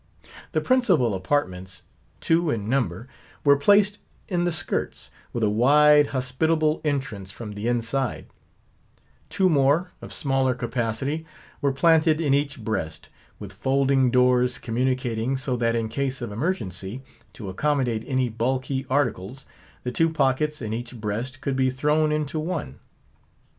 The principal apartments, two in number, were placed in the skirts, with a wide, hospitable entrance from the inside; two more, of smaller capacity, were planted in each breast, with folding doors communicating, so that in case of emergency, to accommodate any bulky articles, the two pockets in each breast could be thrown into one.